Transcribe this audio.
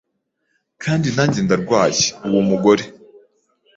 kandi nanjye ndwaye, uwo mugore